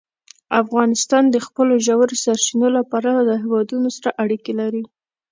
افغانستان د خپلو ژورو سرچینو له پلوه له هېوادونو سره اړیکې لري.